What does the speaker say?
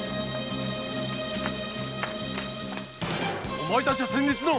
お前たちは先日の！